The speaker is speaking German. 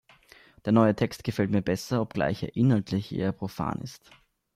Der neue Text gefällt mir besser, obgleich er inhaltlich eher profan ist.